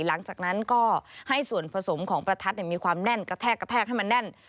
หลังจากนั้นก็ให้ส่วนผสมของประทัดมีความแน่นกระแทกกระแทกให้มันแน่น